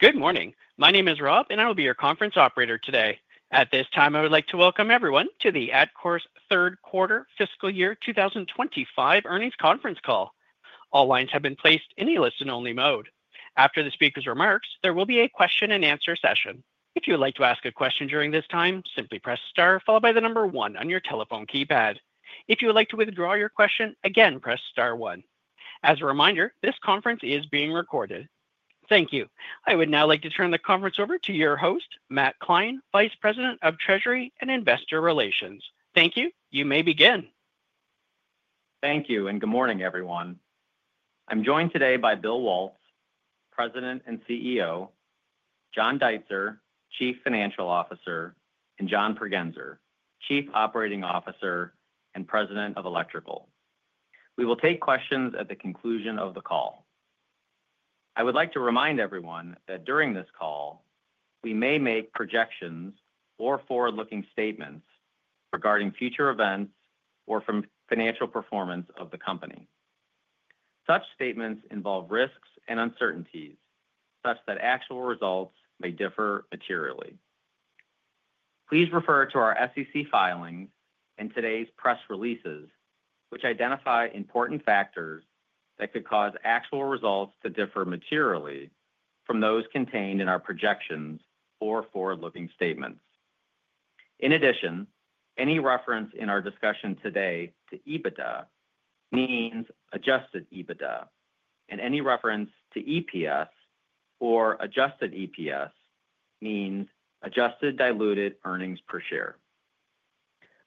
Good morning. My name is Rob, and I will be your conference operator today. At this time, I would like to welcome everyone to Atkore's Third Quarter Fiscal Year 2025 Earnings Conference Call. All lines have been placed in a listen-only mode. After the speakers' remarks, there will be a question and answer session. If you would like to ask a question during this time, simply press star, followed by the number one on your telephone keypad. If you would like to withdraw your question, again, press star one. As a reminder, this conference is being recorded. Thank you. I would now like to turn the conference over to your host, Matt Kline, Vice President of Treasury and Investor Relations. Thank you. You may begin. Thank you, and good morning, everyone. I'm joined today by Bill Waltz, President and CEO, John Deitzer, Chief Financial Officer, and John Pregenzer, Chief Operating Officer and President of Electrical. We will take questions at the conclusion of the call. I would like to remind everyone that during this call, we may make projections or forward-looking statements regarding future events or financial performance of the company. Such statements involve risks and uncertainties, such that actual results may differ materially. Please refer to our SEC filings and today's press releases, which identify important factors that could cause actual results to differ materially from those contained in our projections or forward-looking statements. In addition, any reference in our discussion today to EBITDA means adjusted EBITDA, and any reference to EPS or adjusted EPS means adjusted diluted earnings per share.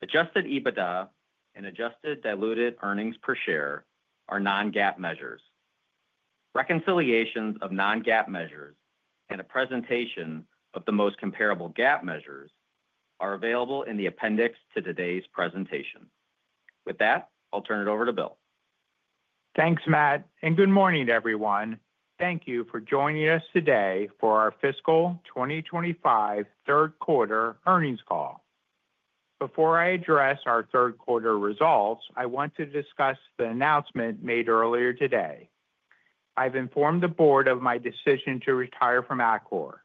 Adjusted EBITDA and adjusted diluted earnings per share are non-GAAP measures. Reconciliations of non-GAAP measures and a presentation of the most comparable GAAP measures are available in the appendix to today's presentation. With that, I'll turn it over to Bill. Thanks, Matt, and good morning, everyone. Thank you for joining us today for our Fiscal 2025 Third Quarter Earnings Call. Before I address our third quarter results, I want to discuss the announcement made earlier today. I've informed the board of my decision to retire from Atkore.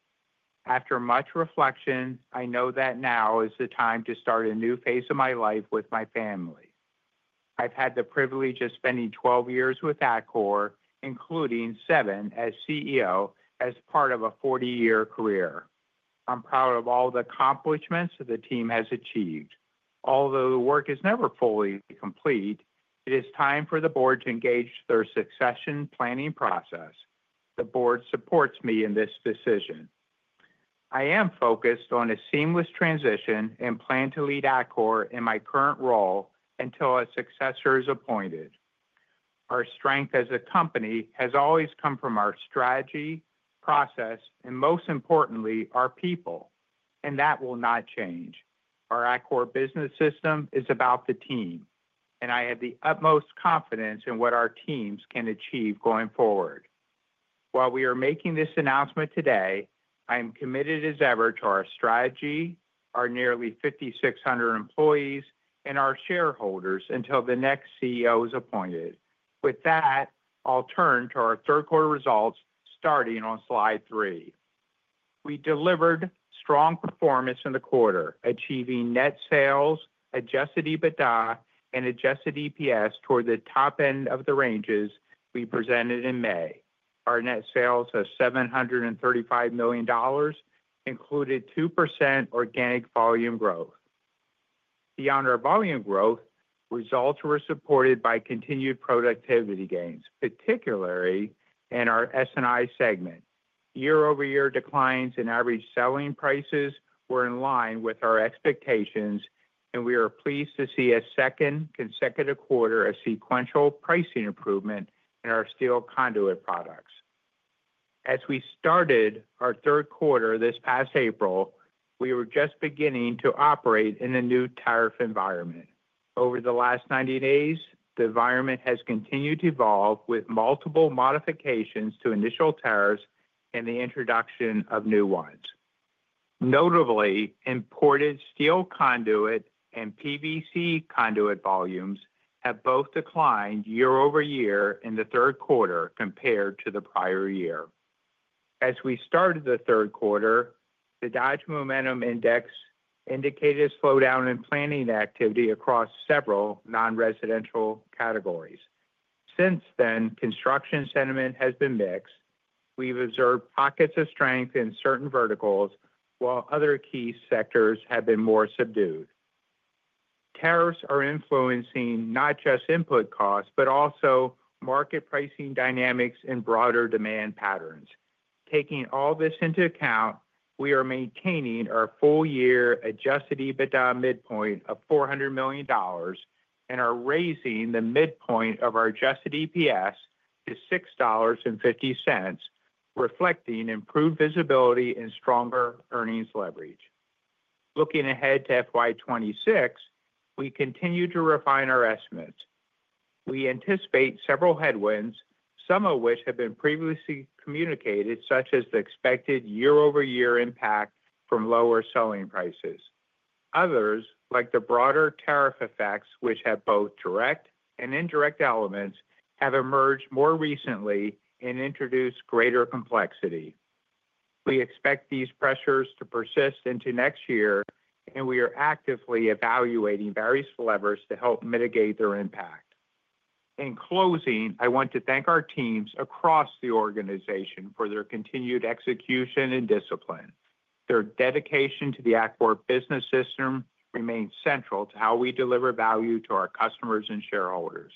After much reflection, I know that now is the time to start a new phase of my life with my family. I've had the privilege of spending 12 years with Atkore, including seven as CEO, as part of a 40-year career. I'm proud of all the accomplishments that the team has achieved. Although the work is never fully complete, it is time for the board to engage their succession planning process. The board supports me in this decision. I am focused on a seamless transition and plan to lead Atkore in my current role until a successor is appointed. Our strength as a company has always come from our strategy, process, and most importantly, our people, and that will not change. Our Atkore business system is about the team, and I have the utmost confidence in what our teams can achieve going forward. While we are making this announcement today, I am committed as ever to our strategy, our nearly 5,600 employees, and our shareholders until the next CEO is appointed. With that, I'll turn to our third quarter results, starting on slide three. We delivered strong performance in the quarter, achieving net sales, adjusted EBITDA, and adjusted EPS toward the top end of the ranges we presented in May. Our net sales of $735 million included 2% organic volume growth. Beyond our volume growth, results were supported by continued productivity gains, particularly in our S&I segment. Year-over-year declines in average selling prices were in line with our expectations, and we are pleased to see a second consecutive quarter of sequential pricing improvement in our steel conduit products. As we started our third quarter this past April, we were just beginning to operate in a new tariff environment. Over the last 90 days, the environment has continued to evolve with multiple modifications to initial tariffs and the introduction of new ones. Notably, imported steel conduit and PVC conduit volumes have both declined year-over-year in the third quarter compared to the prior year. As we started the third quarter, the Dodge Momentum Index indicated a slowdown in planning activity across several non-residential categories. Since then, construction sentiment has been mixed. We've observed pockets of strength in certain verticals, while other key sectors have been more subdued. Tariffs are influencing not just input costs, but also market pricing dynamics and broader demand patterns. Taking all this into account, we are maintaining our full-year adjusted EBITDA midpoint of $400 million and are raising the midpoint of our adjusted EPS to $6.50, reflecting improved visibility and stronger earnings leverage. Looking ahead to FY 2026, we continue to refine our estimates. We anticipate several headwinds, some of which have been previously communicated, such as the expected year-over-year impact from lower selling prices. Others, like the broader tariff effects, which have both direct and indirect elements, have emerged more recently and introduced greater complexity. We expect these pressures to persist into next year, and we are actively evaluating various levers to help mitigate their impact. In closing, I want to thank our teams across the organization for their continued execution and discipline. Their dedication to the Atkore business system remains central to how we deliver value to our customers and shareholders.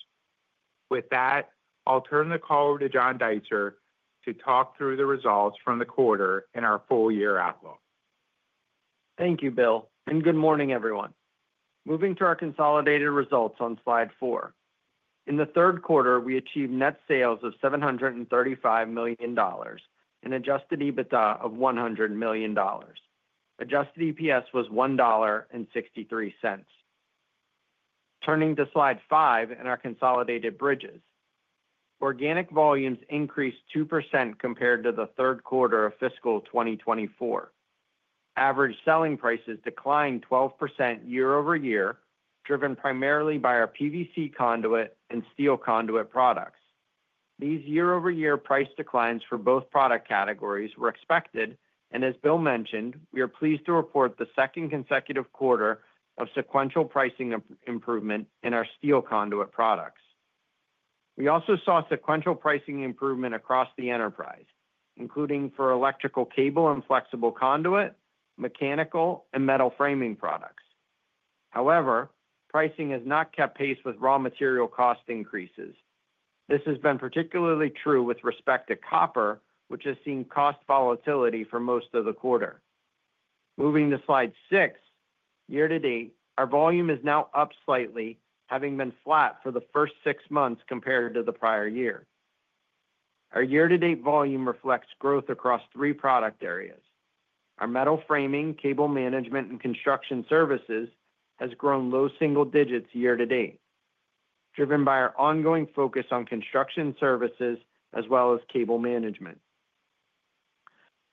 With that, I'll turn the call over to John Deitzer to talk through the results from the quarter in our full-year outlook. Thank you, Bill, and good morning, everyone. Moving to our consolidated results on slide four. In the third quarter, we achieved net sales of $735 million and adjusted EBITDA of $100 million. Adjusted EPS was $1.63. Turning to slide five in our consolidated bridges, organic volumes increased 2% compared to the third quarter of fiscal 2024. Average selling prices declined 12% year-over-year, driven primarily by our PVC conduit and steel conduit products. These year-over-year price declines for both product categories were expected, and as Bill mentioned, we are pleased to report the second consecutive quarter of sequential pricing improvement in our steel conduit products. We also saw sequential pricing improvement across the enterprise, including for electrical cable and flexible conduit, mechanical, and metal framing products. However, pricing has not kept pace with raw material cost increases. This has been particularly true with respect to copper, which has seen cost volatility for most of the quarter. Moving to slide six, year to date, our volume is now up slightly, having been flat for the first six months compared to the prior year. Our year-to-date volume reflects growth across three product areas. Our metal framing, cable management, and construction services have grown low single-digits year to date, driven by our ongoing focus on construction services as well as cable management.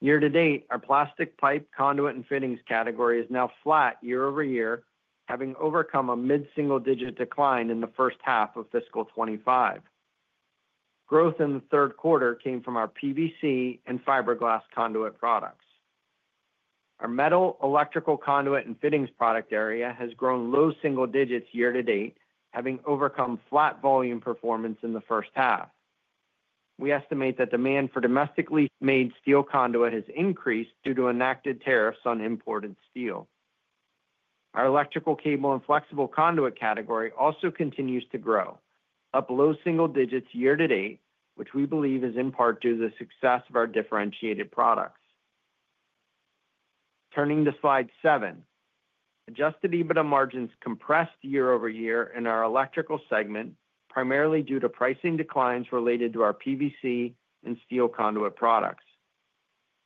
Year to date, our plastic pipe conduit and fittings category is now flat year-over-year, having overcome a mid-single-digit decline in the first half of fiscal 2025. Growth in the third quarter came from our PVC and fiberglass conduit products. Our metal electrical conduit and fittings product area has grown low single-digits year to date, having overcome flat volume performance in the first half. We estimate that demand for domestically made steel conduit has increased due to enacted tariffs on imported steel. Our electrical cable and flexible conduit category also continues to grow, up low single-digits year to date, which we believe is in part due to the success of our differentiated products. Turning to slide seven, adjusted EBITDA margins compressed year-over-year in our electrical segment, primarily due to pricing declines related to our PVC and steel conduit products.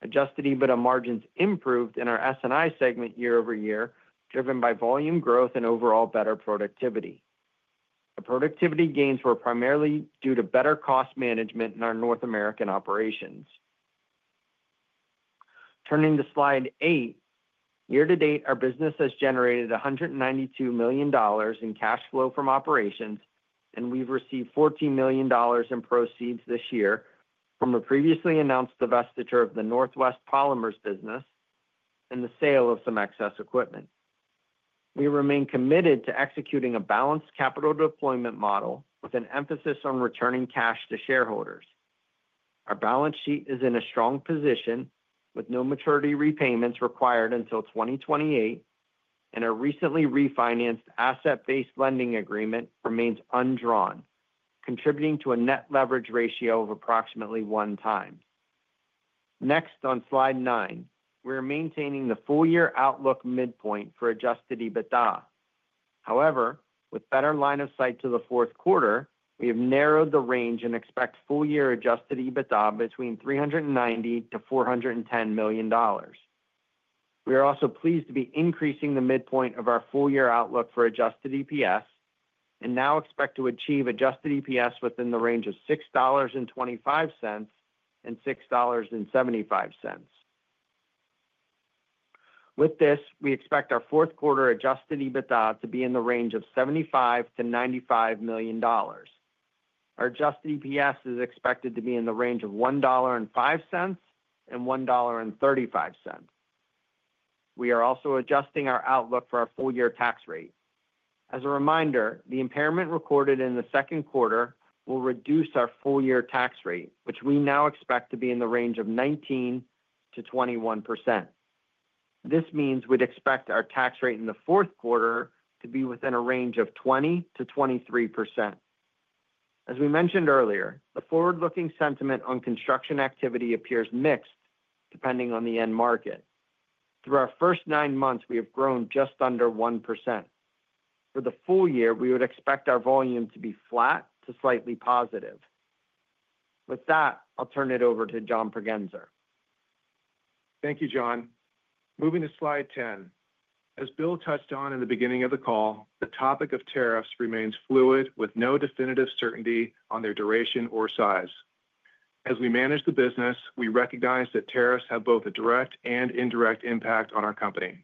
Adjusted EBITDA margins improved in our S&I segment year-over-year, driven by volume growth and overall better productivity. The productivity gains were primarily due to better cost management in our North American operations. Turning to slide eight, year to date, our business has generated $192 million in cash flow from operations, and we've received $14 million in proceeds this year from a previously announced divestiture of the Northwest Polymers business and the sale of some excess equipment. We remain committed to executing a balanced capital deployment model with an emphasis on returning cash to shareholders. Our balance sheet is in a strong position, with no maturity repayments required until 2028, and a recently refinanced asset-based lending agreement remains undrawn, contributing to a net leverage ratio of approximately one time. Next, on slide nine, we are maintaining the full-year outlook midpoint for adjusted EBITDA. However, with better line of sight to the fourth quarter, we have narrowed the range and expect full-year adjusted EBITDA between $390 million-$410 million. We are also pleased to be increasing the midpoint of our full-year outlook for adjusted EPS and now expect to achieve adjusted EPS within the range of $6.25 and $6.75. With this, we expect our fourth quarter adjusted EBITDA to be in the range of $75 million-$95 million. Our adjusted EPS is expected to be in the range of $1.05 and $1.35. We are also adjusting our outlook for our full-year tax rate. As a reminder, the impairment recorded in the second quarter will reduce our full-year tax rate, which we now expect to be in the range of 19%-21%. This means we'd expect our tax rate in the fourth quarter to be within a range of 20%-23%. As we mentioned earlier, the forward-looking sentiment on construction activity appears mixed, depending on the end market. Through our first nine months, we have grown just under 1%. For the full year, we would expect our volume to be flat to slightly positive. With that, I'll turn it over to John Pregenzer. Thank you, John. Moving to slide ten. As Bill touched on in the beginning of the call, the topic of tariffs remains fluid, with no definitive certainty on their duration or size. As we manage the business, we recognize that tariffs have both a direct and indirect impact on our company.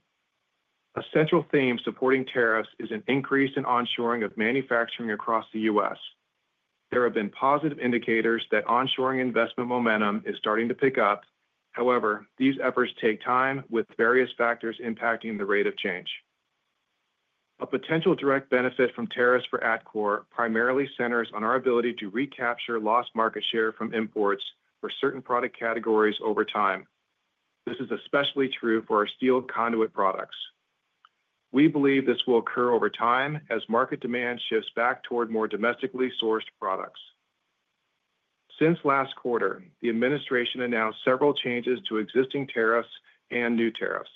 A central theme supporting tariffs is an increase in onshoring of manufacturing across the U.S. There have been positive indicators that onshoring investment momentum is starting to pick up. However, these efforts take time, with various factors impacting the rate of change. A potential direct benefit from tariffs for Atkore primarily centers on our ability to recapture lost market share from imports for certain product categories over time. This is especially true for our steel conduit products. We believe this will occur over time as market demand shifts back toward more domestically sourced products. Since last quarter, the administration announced several changes to existing tariffs and new tariffs.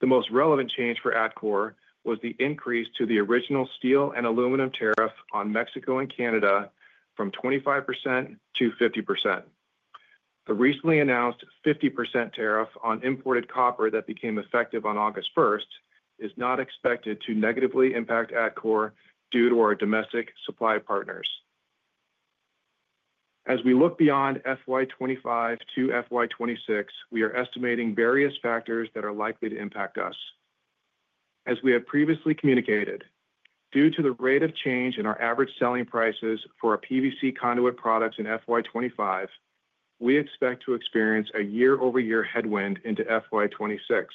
The most relevant change for Atkore was the increase to the original steel and aluminum tariff on Mexico and Canada from 25%-50%. The recently announced 50% tariff on imported copper that became effective on August 1 is not expected to negatively impact Atkore due to our domestic supply partners. As we look beyond FY 2025-FY 2026, we are estimating various factors that are likely to impact us. As we have previously communicated, due to the rate of change in our average selling prices for our PVC conduit products in FY2025, we expect to experience a year-over-year headwind into FY2026.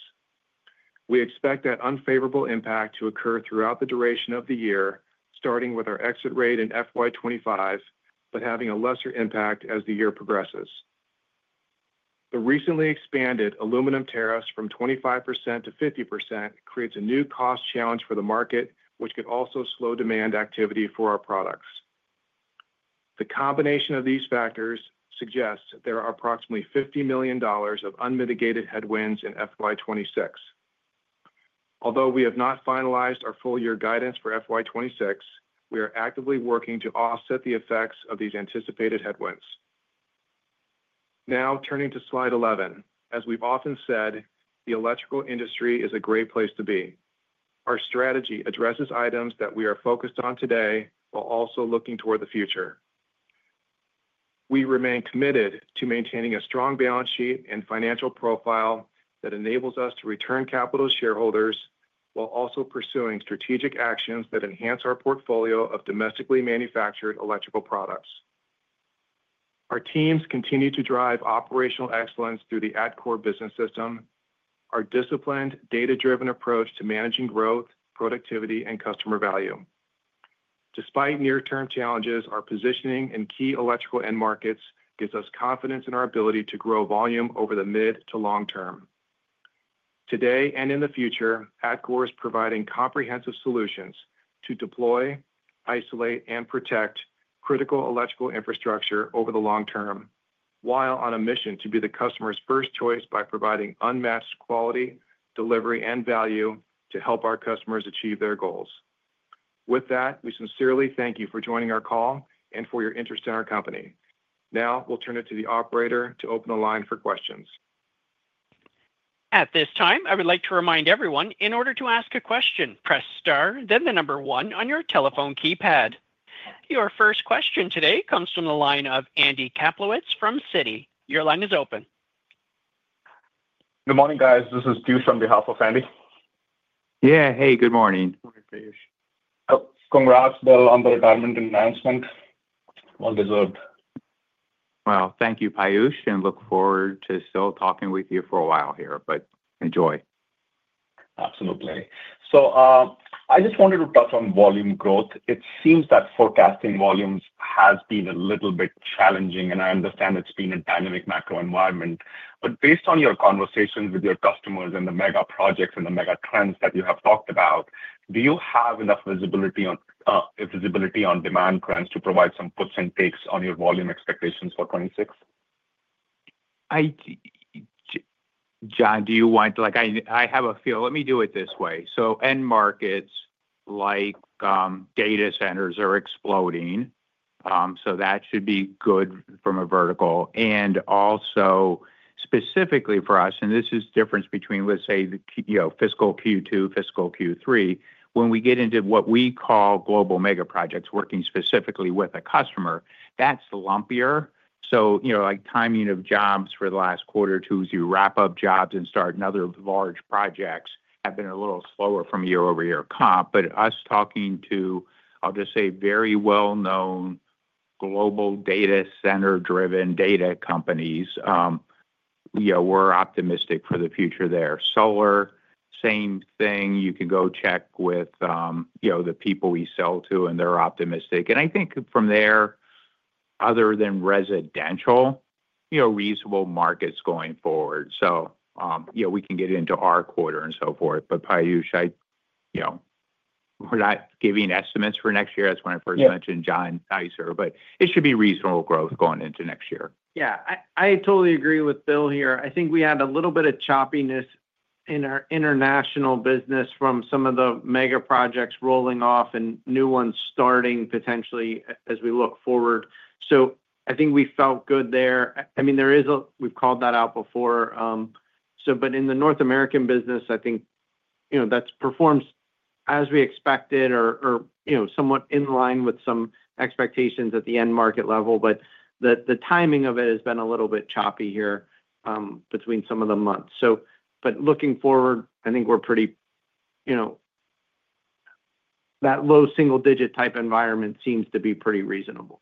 We expect that unfavorable impact to occur throughout the duration of the year, starting with our exit rate in FY2025, but having a lesser impact as the year progresses. The recently expanded aluminum tariffs from 25%-50% creates a new cost challenge for the market, which could also slow demand activity for our products. The combination of these factors suggests there are approximately $50 million of unmitigated headwinds in FY 2026. Although we have not finalized our full-year guidance for FY 2026, we are actively working to offset the effects of these anticipated headwinds. Now, turning to slide 11. As we've often said, the electrical industry is a great place to be. Our strategy addresses items that we are focused on today while also looking toward the future. We remain committed to maintaining a strong balance sheet and financial profile that enables us to return capital to shareholders while also pursuing strategic actions that enhance our portfolio of domestically manufactured electrical products. Our teams continue to drive operational excellence through the Atkore business system, our disciplined, data-driven approach to managing growth, productivity, and customer value. Despite near-term challenges, our positioning in key electrical end markets gives us confidence in our ability to grow volume over the mid to long term. Today and in the future, Atkore is providing comprehensive solutions to deploy, isolate, and protect critical electrical infrastructure over the long term, while on a mission to be the customer's first choice by providing unmatched quality, delivery, and value to help our customers achieve their goals. With that, we sincerely thank you for joining our call and for your interest in our company. Now, we'll turn it to the operator to open the line for questions. At this time, I would like to remind everyone, in order to ask a question, press star, then the number one on your telephone keypad. Your first question today comes from the line of Andy Kaplowitz from Citi. Your line is open. Good morning, guys. This is Piyush on behalf of Andy. Yeah, hey, good morning. Congrats, Bill, on the retirement in management. Well deserved. Thank you, Piyush, and look forward to still talking with you for a while here, but enjoy. Absolutely. I just wanted to touch on volume growth. It seems that forecasting volumes has been a little bit challenging, and I understand it's been a dynamic macro-environment. Based on your conversations with your customers and the mega projects and the mega trends that you have talked about, do you have enough visibility on demand trends to provide some puts and takes on your volume expectations for 2026? John, do you want to, I have a feel. Let me do it this way. End markets like data centers are exploding. That should be good from a vertical. Also, specifically for us, and this is the difference between, let's say, fiscal Q2, fiscal Q3, when we get into what we call Global Mega Projects, working specifically with a customer, that's lumpier. Timing of jobs for the last quarter or two, as you wrap up jobs and start another large project, have been a little slower from year-over-year comp. Us talking to, I'll just say, very well-known global data center-driven data companies, we're optimistic for the future there. Solar, same thing. You can go check with the people we sell to, and they're optimistic. I think from there, other than residential, reasonable markets going forward. We can get into our quarter and so forth. Piyush, we're not giving estimates for next year. That's why I first mentioned John Deitzer. It should be reasonable growth going into next year. Yeah, I totally agree with Bill here. I think we had a little bit of choppiness in our international business from some of the mega projects rolling off and new ones starting potentially as we look forward. I think we felt good there. I mean, we've called that out before. In the North American business, I think that performs as we expected or somewhat in line with some expectations at the end market level. The timing of it has been a little bit choppy here, between some of the months. Looking forward, I think we're pretty, you know, that low single-digit type environment seems to be pretty reasonable.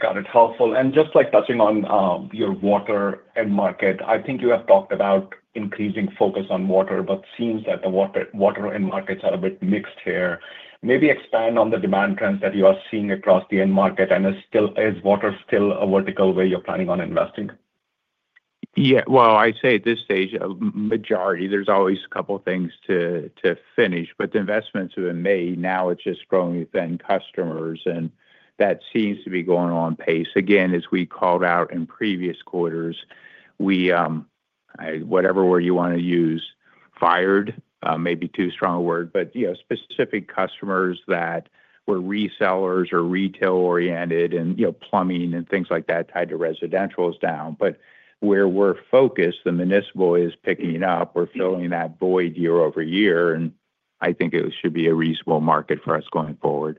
Got it. Helpful. Just touching on your water end market, I think you have talked about increasing focus on water, but it seems that the water end markets are a bit mixed here. Maybe expand on the demand trend that you are seeing across the end market and is water still a vertical where you're planning on investing? At this stage, a majority, there's always a couple of things to finish. The investments we've made now, it's just growing with end customers, and that seems to be going on pace. As we called out in previous quarters, we, whatever word you want to use, fired, maybe too strong a word, but you know, specific customers that were resellers or retail-oriented and, you know, plumbing and things like that tied to residential is down. Where we're focused, the municipal is picking up. We're filling that void year-over-year, and I think it should be a reasonable market for us going forward.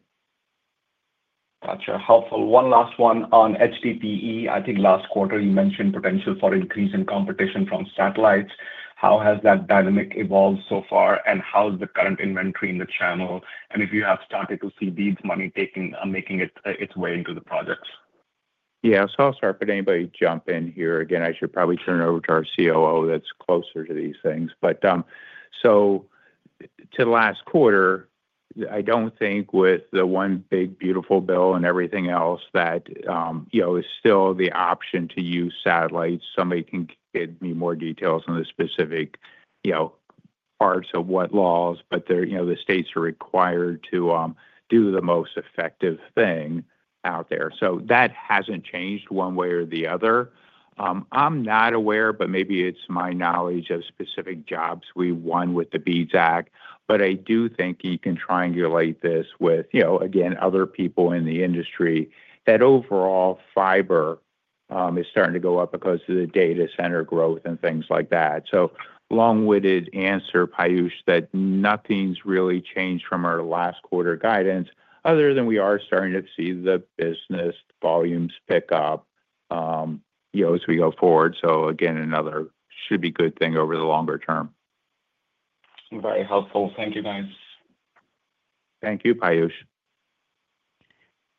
Gotcha. Helpful. One last one on HDPE. I think last quarter you mentioned potential for increase in competition from satellites. How has that dynamic evolved so far, and how is the current inventory in the channel? If you have started to see this money making its way into the projects? Yeah, I'll start, but anybody jump in here. I should probably turn it over to our Chief Operating Officer that's closer to these things. To last quarter, I don't think with the One Big Beautiful Bill and everything else that is still the option to use satellites. Somebody can give me more details on the specific parts of what laws, but the states are required to do the most effective thing out there. That hasn't changed one way or the other. I'm not aware, but maybe it's my knowledge of specific jobs we won with the BEAD Act. I do think you can triangulate this with other people in the industry that overall fiber is starting to go up because of the data center growth and things like that. Long-winded answer, Piyush, that nothing's really changed from our last quarter guidance, other than we are starting to see the business volumes pick up as we go forward. Another should be a good thing over the longer term. Very helpful. Thank you, guys. Thank you, Piyush.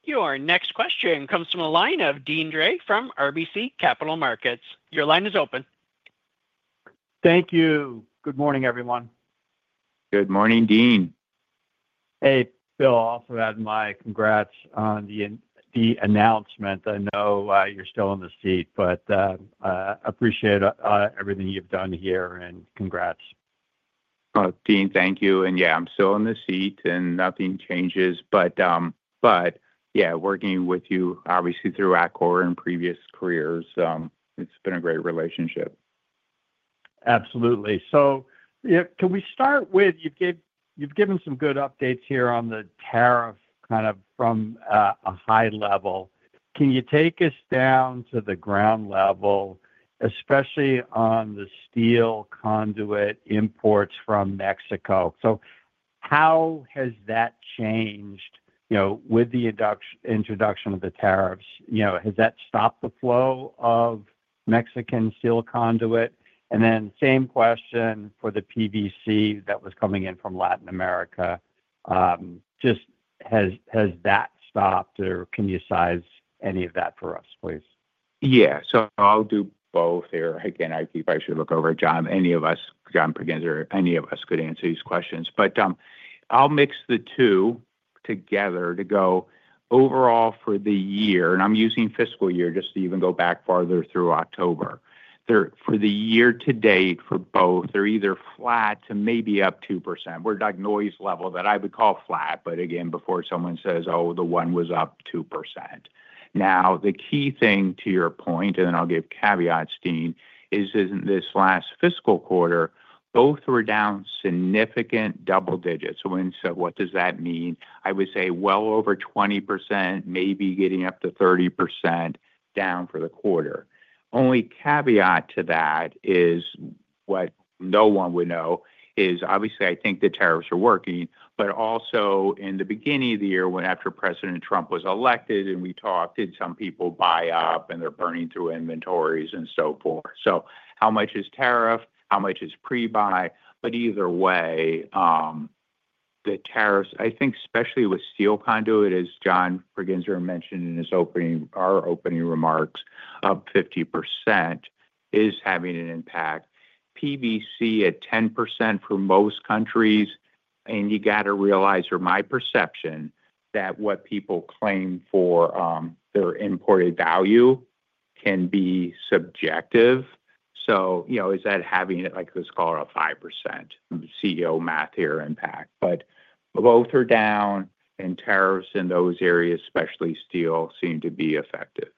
Your next question comes from a line of Deane Dray from RBC Capital Markets. Your line is open. Thank you. Good morning, everyone. Good morning, Deane. Hey, Bill, congrats on the announcement. I know you're still in the seat, but I appreciate everything you've done here and congrats. Deane, thank you. Yeah, I'm still in the seat and nothing changes. Yeah, working with you, obviously through Atkore in previous careers, it's been a great relationship. Absolutely. Can we start with, you've given some good updates here on the tariff kind of from a high level. Can you take us down to the ground level, especially on the steel conduit imports from Mexico? How has that changed with the introduction of the tariffs? Has that stopped the flow of Mexican steel conduit? Same question for the PVC that was coming in from Latin America. Has that stopped or can you size any of that for us, please? Yeah, so I'll do both here. Again, I think I should look over, John, any of us, John Pregenzer, any of us could answer these questions. I'll mix the two together to go overall for the year, and I'm using fiscal year just to even go back farther through October. For the year to date for both, they're either flat to maybe up 2%. We're like noise level that I would call flat, but again, before someone says, oh, the one was up 2%. The key thing to your point, and then I'll give caveats, Deane, is in this last fiscal quarter, both were down significant double-digits. What does that mean? I would say well over 20%, maybe getting up to 30% down for the quarter. Only caveat to that is what no one would know is obviously I think the tariffs are working, but also in the beginning of the year when after President Trump was elected and we talked, did some people buy up and they're burning through inventories and so forth. How much is tariff? How much is pre-buy? Either way, the tariffs, I think especially with steel conduit, as John Pregenzer mentioned in his opening remarks, up 50% is having an impact. PVC at 10% for most countries, and you got to realize, or my perception, that what people claim for their imported value can be subjective. Is that having it, like let's call it a 5% CEO math here impact. Both are down, and tariffs in those areas, especially steel, seem to be effective.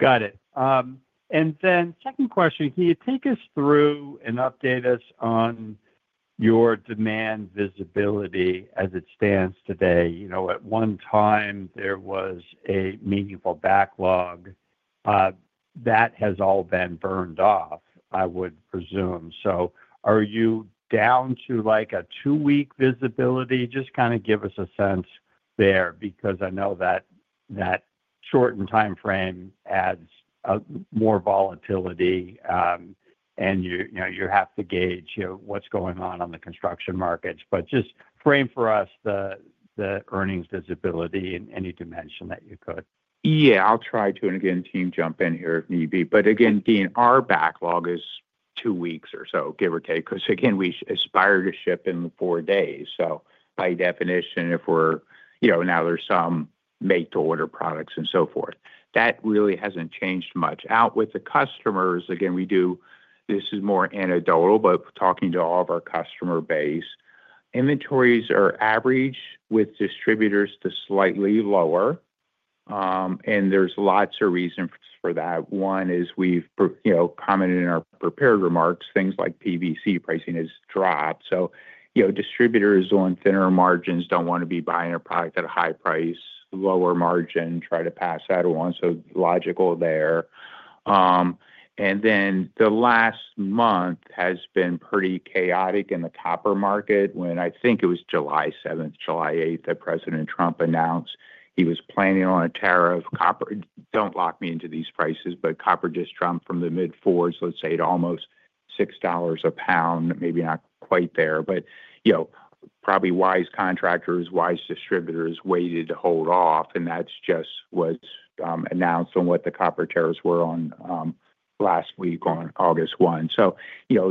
Got it. Can you take us through and update us on your demand visibility as it stands today? At one time there was a meaningful backlog. That has all been burned off, I would presume. Are you down to like a two-week visibility? Just give us a sense there, because I know that shortened timeframe adds more volatility. You have to gauge what's going on in the construction markets. Just frame for us the earnings visibility in any dimension that you could. Yeah, I'll try to, and again, team jump in here if need be. Again, Deane, our backlog is two weeks or so, give or take, because we aspire to ship in four days. By definition, if we're, you know, now there's some made-to-order products and so forth. That really hasn't changed much. Out with the customers, this is more anecdotal, but talking to all of our customer base, inventories are average with distributors to slightly lower. There are lots of reasons for that. One is we've, you know, commented in our prepared remarks, things like PVC pricing has dropped. Distributors on thinner margins don't want to be buying a product at a high price, lower margin, try to pass that along. Logical there. The last month has been pretty chaotic in the copper market when I think it was July 7, July 8 that President Trump announced he was planning on a tariff. Copper, don't lock me into these prices, but copper just jumped from the mid-$4s, let's say, to almost $6 a lb, maybe not quite there. Probably wise contractors, wise distributors waited to hold off, and that's just what's announced on what the copper tariffs were on last week on August 1.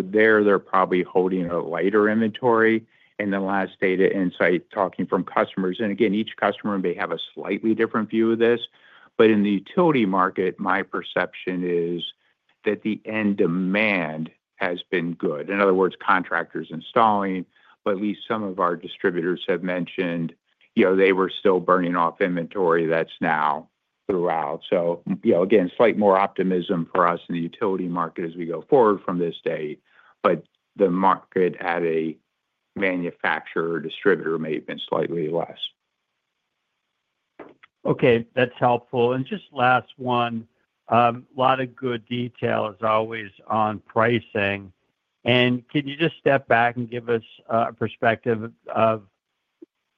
They're probably holding a lighter inventory. The last data insight talking from customers, and again, each customer may have a slightly different view of this, but in the utility market, my perception is that the end demand has been good. In other words, contractors installing, but at least some of our distributors have mentioned they were still burning off inventory that's now throughout. Again, slight more optimism for us in the utility market as we go forward from this date, but the market at a manufacturer or distributor may have been slightly less. Okay, that's helpful. Just last one, a lot of good detail as always on pricing. Can you just step back and give us a perspective of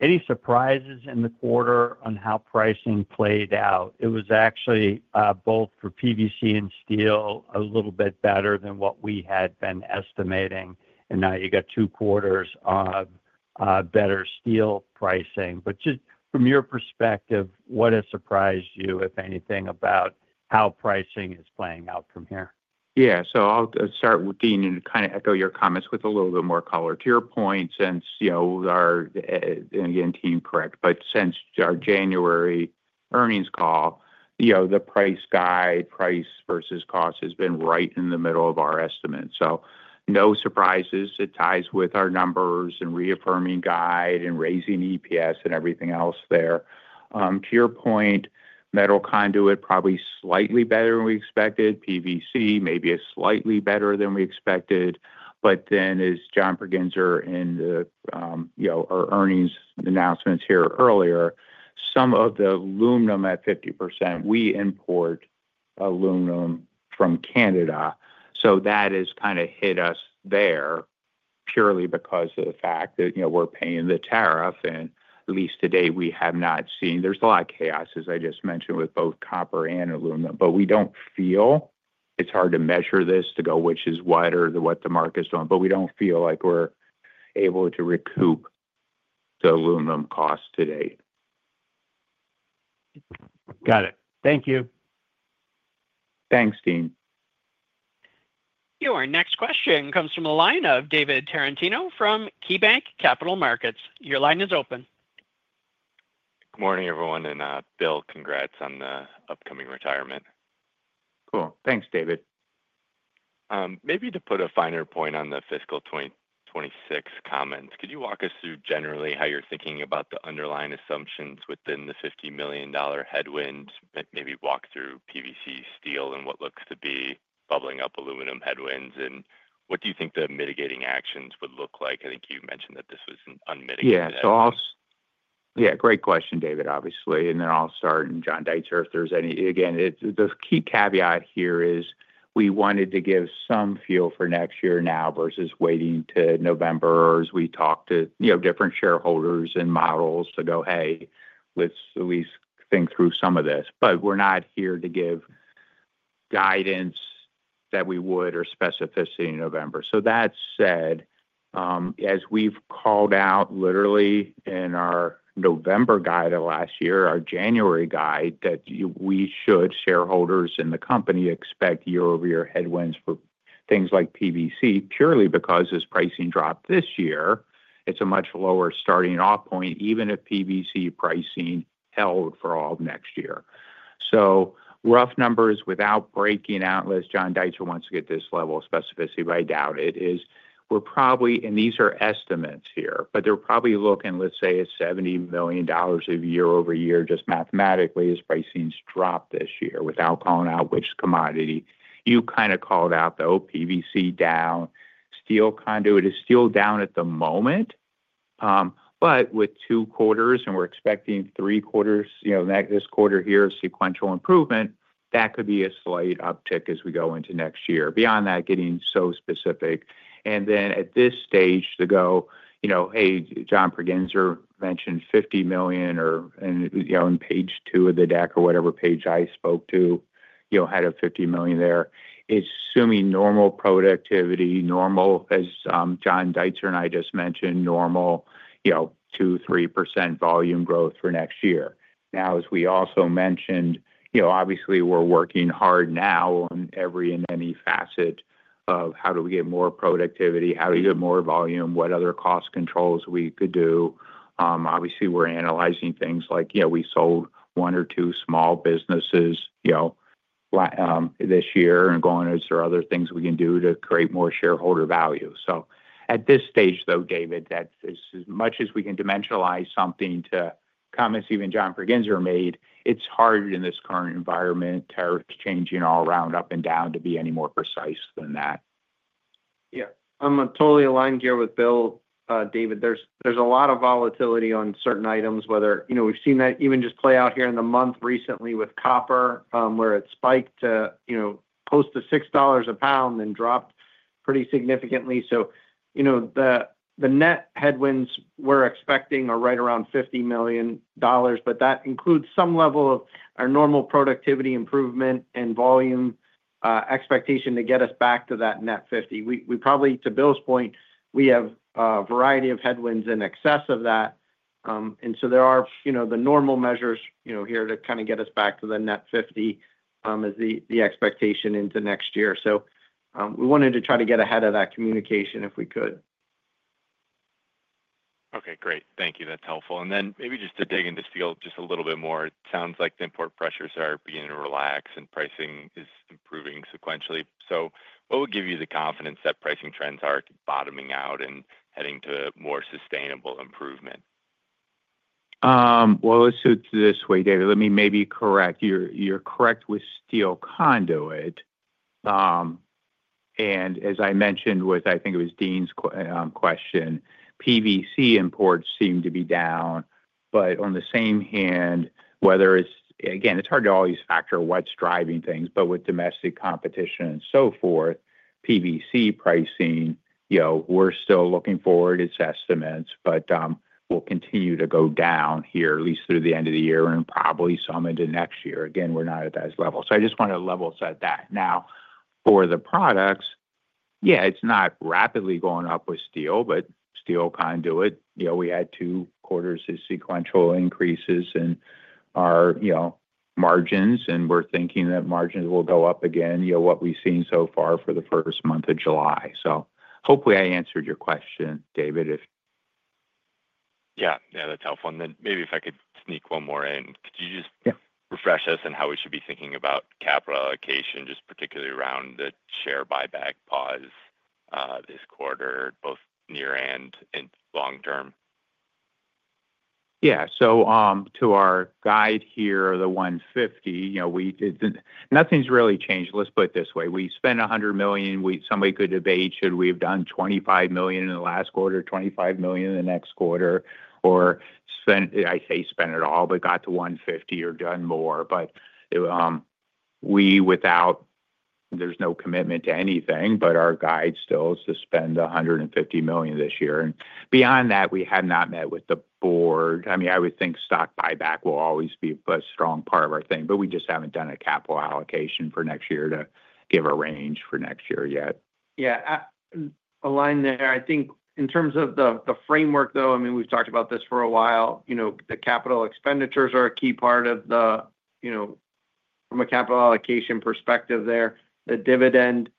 any surprises in the quarter on how pricing played out? It was actually both for PVC conduit and steel conduit a little bit better than what we had been estimating, and now you got two quarters of better steel pricing. From your perspective, what has surprised you, if anything, about how pricing is playing out from here? Yeah, I'll start with Deane and echo your comments with a little bit more color. To your point, since our January earnings call, the price guide, price versus cost has been right in the middle of our estimate. No surprises. It ties with our numbers and reaffirming guide and raising EPS and everything else there. To your point, metal conduit probably slightly better than we expected. PVC maybe is slightly better than we expected. As John Pregenzer mentioned in our earnings announcements earlier, some of the aluminum at 50%, we import aluminum from Canada. That has kind of hit us there purely because of the fact that we're paying the tariff. At least today, we have not seen, there's a lot of chaos, as I just mentioned, with both copper and aluminum, but we don't feel, it's hard to measure this to go which is what or what the market's doing, but we don't feel like we're able to recoup the aluminum cost today. Got it. Thank you. Thanks, Dean. Your next question comes from a line of David Tarantino from KeyBanc Capital Markets. Your line is open. Good morning, everyone, and Bill, congrats on the upcoming retirement. Cool. Thanks, David. Maybe to put a finer point on the fiscal 2026 comments, could you walk us through generally how you're thinking about the underlying assumptions within the $50 million headwind? Maybe walk through PVC conduit, steel conduit, and what looks to be bubbling up aluminum headwinds, and what do you think the mitigating actions would look like? I think you mentioned that this was an unmitigated. Yeah, great question, David, obviously. I'll start, and John Deitzer, if there's any, again, the key caveat here is we wanted to give some feel for next year now vs waiting to November or as we talk to different shareholders and models to go, hey, let's at least think through some of this. We're not here to give guidance that we would or specificity in November. That said, as we've called out literally in our November guide of last year, our January guide that we should, shareholders in the company expect year-over-year headwinds for things like PVC purely because as pricing dropped this year, it's a much lower starting off point even if PVC pricing held for all of next year. Rough numbers without breaking out unless John Deitzer wants to get this level of specificity, but I doubt it, is we're probably, and these are estimates here, but they're probably looking, let's say, at $70 million year-over-year, just mathematically, as pricing's dropped this year without calling out which commodity. You kind of called out though, PVC down, steel conduit is still down at the moment. With two quarters, and we're expecting three quarters, this quarter here of sequential improvement, that could be a slight uptick as we go into next year. Beyond that, getting so specific. At this stage to go, you know, hey, John Pregenzer mentioned $50 million or, and on page two of the deck or whatever page I spoke to, had a $50 million there, assuming normal productivity, normal, as John Deitzer and I just mentioned, normal, you know, 2%, 3% volume growth for next year. As we also mentioned, obviously we're working hard now on every and any facet of how do we get more productivity, how do you get more volume, what other cost controls we could do. Obviously we're analyzing things like, you know, we sold one or two small businesses this year and going to, is there other things we can do to create more shareholder value? At this stage though, David, that as much as we can dimensionalize something to comments even John Pregenzer made, it's hard in this current environment, tariffs changing all around up and down to be any more precise than that. Yeah, I'm totally aligned here with Bill. David, there's a lot of volatility on certain items, whether, you know, we've seen that even just play out here in the month recently with copper, where it spiked to, you know, close to $6 a lb, then dropped pretty significantly. The net headwinds we're expecting are right around $50 million, but that includes some level of our normal productivity improvement and volume expectation to get us back to that net $50 million. We probably, to Bill's point, have a variety of headwinds in excess of that, and there are the normal measures here to kind of get us back to the net $50 million, which is the expectation into next year. We wanted to try to get ahead of that communication if we could. Okay, great. Thank you. That's helpful. Maybe just to dig into steel a little bit more, it sounds like the import pressures are beginning to relax and pricing is improving sequentially. What would give you the confidence that pricing trends are bottoming out and heading to more sustainable improvement? Let me maybe correct. You're correct with steel conduit. As I mentioned with, I think it was Deane's question, PVC imports seem to be down. On the same hand, whether it's, again, it's hard to always factor what's driving things, but with domestic competition and so forth, PVC pricing, you know, we're still looking forward to its estimates, but will continue to go down here, at least through the end of the year and probably some into next year. Again, we're not at that level. I just wanted to level set that. For the products, yeah, it's not rapidly going up with steel, but steel conduit, you know, we had two quarters of sequential increases in our, you know, margins, and we're thinking that margins will go up again, you know, what we've seen so far for the first month of July. Hopefully I answered your question, David. Yeah, that's helpful. Maybe if I could sneak one more in, could you just refresh us on how we should be thinking about capital allocation, particularly around the share repurchase plan pause this quarter, both near and long term? Yeah, to our guide here of the $150 million, nothing's really changed. Let's put it this way. We spent $100 million. Somebody could debate, should we have done $25 million in the last quarter, $25 million in the next quarter, or spent, I say spent it all, but got to $150 million or done more. Without, there's no commitment to anything, our guide still is to spend $150 million this year. Beyond that, we have not met with the board. I would think stock buyback will always be a strong part of our thing, but we just haven't done a capital allocation for next year to give a range for next year yet. I think in terms of the framework though, we've talked about this for a while. The capital expenditures are a key part of the, from a capital allocation perspective, the dividend,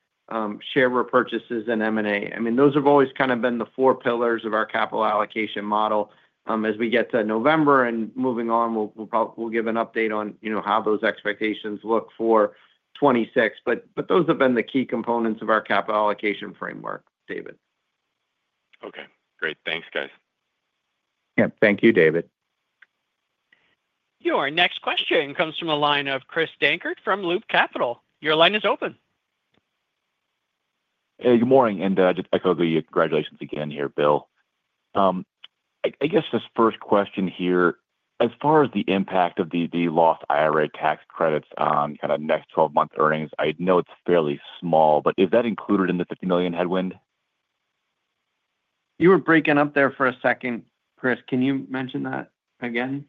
share repurchases, and M&A. Those have always kind of been the four pillars of our capital allocation model. As we get to November and moving on, we'll probably give an update on how those expectations look for 2026. Those have been the key components of our capital allocation framework, David. Okay, great. Thanks, guys. Yeah, thank you, David. Your next question comes from a line of Chris Dankert from Loop Capital. Your line is open. Good morning, and I just echo the congratulations again here, Bill. I guess this first question here, as far as the impact of the lost IRA tax credits on kind of next 12-month earnings, I know it's fairly small, but is that included in the $50 million headwind? You were breaking up there for a second, Chris. Can you mention that again?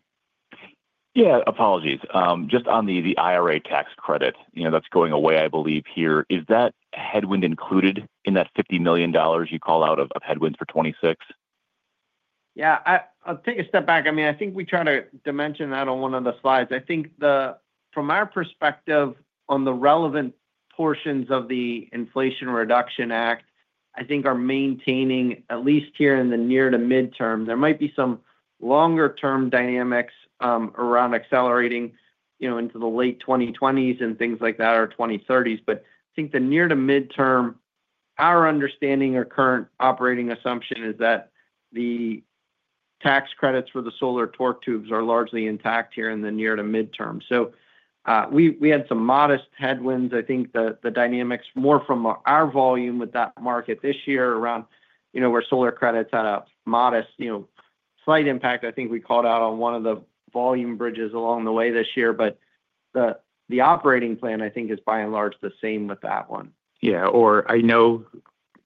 Apologies. Just on the IRA tax credit, you know, that's going away, I believe, here. Is that headwind included in that $50 million you call out of headwinds for 2026? Yeah, I'll take a step back. I mean, I think we try to dimension that on one of the slides. I think from our perspective on the relevant portions of the Inflation Reduction Act, I think our maintaining, at least here in the near to midterm, there might be some longer-term dynamics around accelerating into the late 2020s and things like that or 2030s. I think the near to midterm, our understanding or current operating assumption is that the tax credits for the solar torque tubes are largely intact here in the near to midterm. We had some modest headwinds. I think the dynamics more from our volume with that market this year around where solar credits had a modest, slight impact. I think we called out on one of the volume bridges along the way this year, but the operating plan, I think, is by and large the same with that one. I know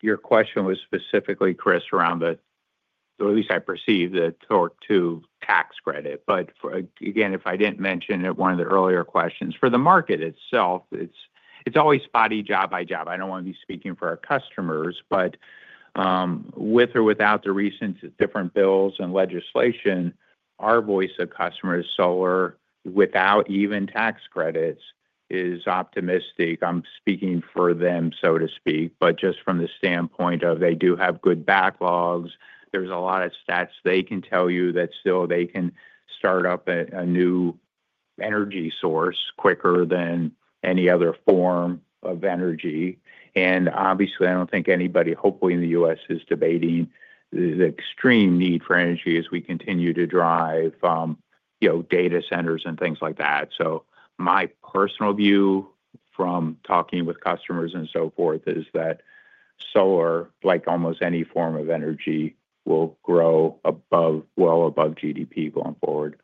your question was specifically, Chris, around the, or at least I perceive the torque tube tax credit. If I didn't mention it, one of the earlier questions for the market itself, it's always spotty job by job. I don't want to be speaking for our customers, but with or without the recent different bills and legislation, our voice of customers' solar without even tax credits is optimistic. I'm speaking for them, so to speak, but just from the standpoint of they do have good backlogs. There are a lot of stats they can tell you that still they can start up a new energy source quicker than any other form of energy. Obviously, I don't think anybody, hopefully in the U.S., is debating the extreme need for energy as we continue to drive, you know, data centers and things like that. My personal view from talking with customers and so forth is that solar, like almost any form of energy, will grow above, well above GDP going forward.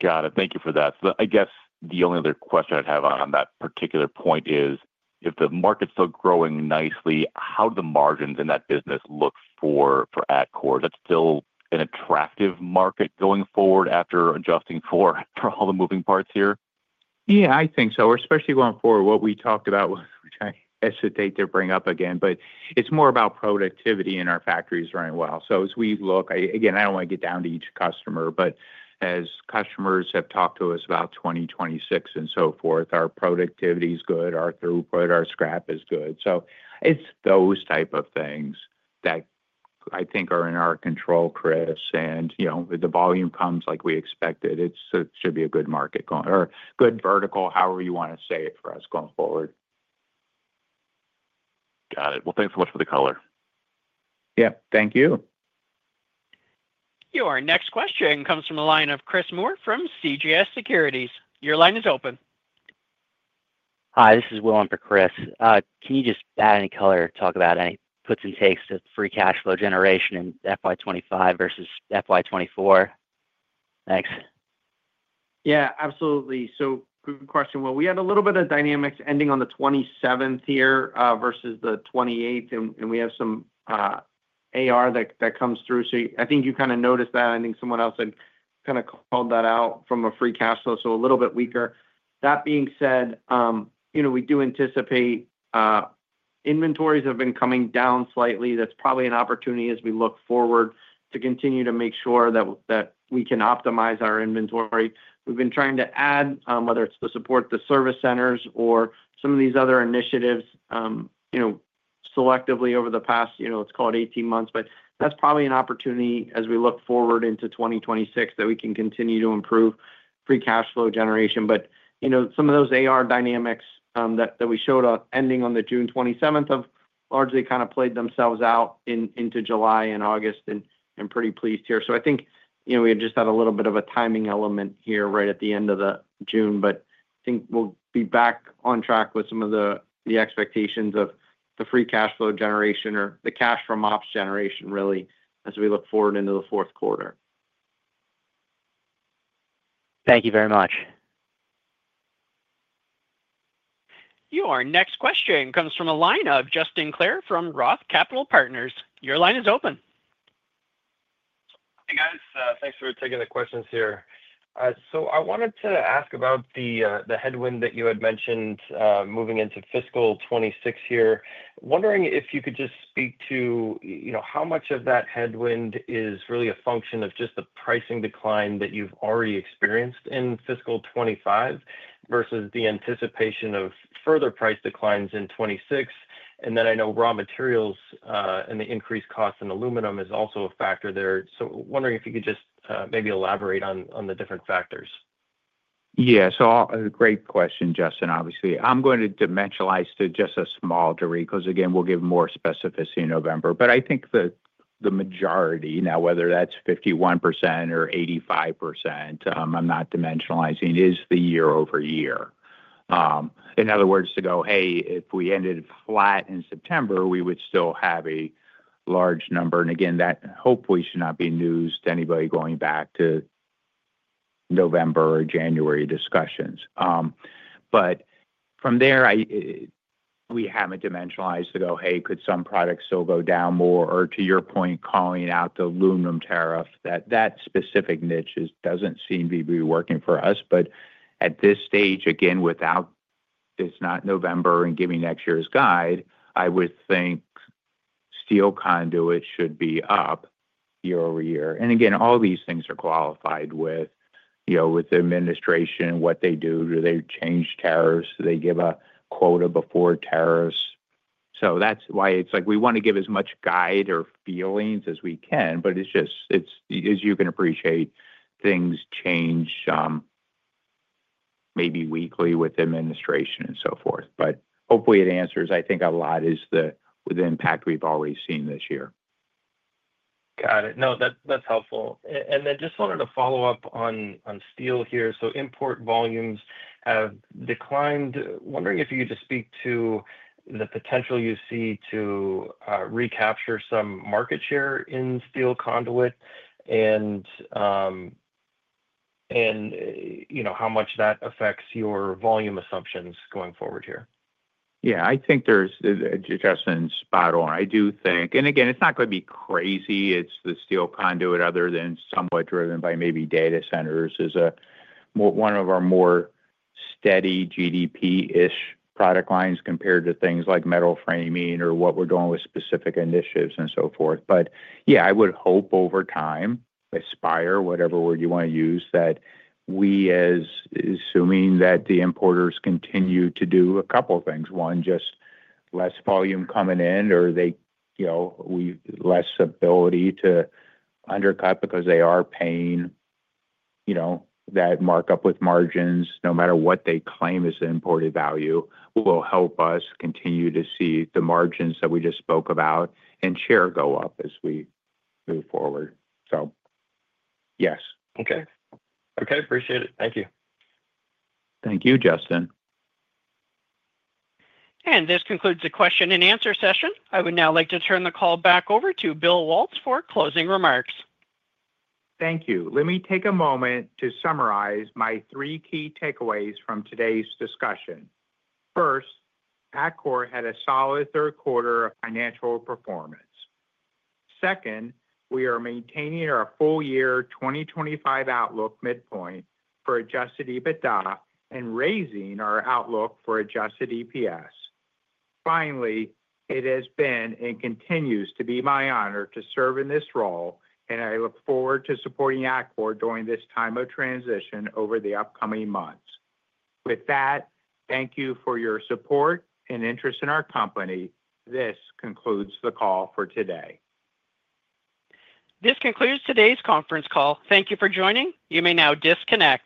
Got it. Thank you for that. I guess the only other question I'd have on that particular point is if the market's still growing nicely, how do the margins in that business look for Atkore? That's still an attractive market going forward after adjusting for all the moving parts here? Yeah, I think so. Especially going forward, what we talked about, which I hesitate to bring up again, but it's more about productivity in our factories running well. As we look, I don't want to get down to each customer, but as customers have talked to us about 2026 and so forth, our productivity is good, our throughput, our scrap is good. It's those types of things that I think are in our control, Chris, and you know, the volume comes like we expected. It should be a good market going or good vertical, however you want to say it for us going forward. Got it. Thanks so much for the color. Yeah, thank you. Your next question comes from a line of Chris Moore from CJS Securities. Your line is open. Hi, this is Will for Chris. Can you just add any color or talk about any puts and takes to free cash flow generation in FY 2025 vs FY 2024? Thanks. Yeah, absolutely. Good question. We had a little bit of dynamics ending on the 27th here vs the 28th, and we have some AR that comes through. I think you kind of noticed that. I think someone else had kind of called that out from a free cash flow, so a little bit weaker. That being said, we do anticipate inventories have been coming down slightly. That's probably an opportunity as we look forward to continue to make sure that we can optimize our inventory. We've been trying to add, whether it's the support to service centers or some of these other initiatives, selectively over the past, let's call it 18 months, but that's probably an opportunity as we look forward into 2026 that we can continue to improve free cash flow generation. Some of those AR dynamics that we showed ending on the June 27th have largely kind of played themselves out into July and August, and I'm pretty pleased here. I think we had just had a little bit of a timing element here right at the end of June, but I think we'll be back on track with some of the expectations of the free cash flow generation or the cash from ops generation really as we look forward into the fourth quarter. Thank you very much. Your next question comes from a line of Justin Clare from Roth Capital Partners. Your line is open. Hey guys, thanks for taking the questions here. I wanted to ask about the headwind that you had mentioned moving into fiscal 2026 here. Wondering if you could just speak to how much of that headwind is really a function of just the pricing decline that you've already experienced in fiscal 2025 vs the anticipation of further price declines in 2026. I know raw materials and the increased costs in aluminum is also a factor there. Wondering if you could just maybe elaborate on the different factors. Yeah, great question, Justin, obviously. I'm going to dimensionalize to just a small degree because again, we'll give more specificity in November. I think the majority now, whether that's 51% or 85%, I'm not dimensionalizing, is the year over year. In other words, to go, hey, if we ended flat in September, we would still have a large number. That hopefully should not be news to anybody going back to November or January discussions. From there, we haven't dimensionalized to go, hey, could some products still go down more? Or to your point, calling out the aluminum tariff, that specific niche doesn't seem to be working for us. At this stage, again, without it's not November and giving next year's guide, I would think steel conduit should be up year over year. All these things are qualified with, you know, with the administration, what they do. Do they change tariffs? Do they give a quota before tariffs? That's why it's like we want to give as much guide or feelings as we can, but it's just, as you can appreciate, things change maybe weekly with administration and so forth. Hopefully it answers, I think a lot, is the impact we've always seen this year. Got it. No, that's helpful. I just wanted to follow up on steel here. Import volumes have declined. Wondering if you could speak to the potential you see to recapture some market share in steel conduit and, you know, how much that affects your volume assumptions going forward here. Yeah, I think that's, Justin, spot on. I do think, again, it's not going to be crazy. It's the steel conduit, other than somewhat driven by maybe data centers as one of our more steady GDP-ish product lines compared to things like metal framing or what we're doing with specific initiatives and so forth. I would hope over time, aspire, whatever word you want to use, that we assume that the importers continue to do a couple of things. One, just less volume coming in or they, you know, less ability to undercut because they are paying, you know, that markup with margins, no matter what they claim is the imported value, will help us continue to see the margins that we just spoke about and share go up as we move forward. Yes. Okay, appreciate it. Thank you. Thank you, Justin. This concludes the question and answer session. I would now like to turn the call back over to Bill Waltz for closing remarks. Thank you. Let me take a moment to summarize my three key takeaways from today's discussion. First, Atkore had a solid third quarter of financial performance. Second, we are maintaining our full-year 2025 outlook midpoint for adjusted EBITDA and raising our outlook for adjusted EPS. Finally, it has been and continues to be my honor to serve in this role, and I look forward to supporting Atkore during this time of transition over the upcoming months. With that, thank you for your support and interest in our company. This concludes the call for today. This concludes today's conference call. Thank you for joining. You may now disconnect.